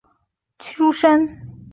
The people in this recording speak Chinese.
荐举出身。